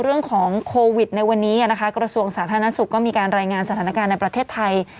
เรื่องของโควิดในวันนี้นะคะกระทรวงสาธารณสุขก็มีการรายงานสถานการณ์ในประเทศไทย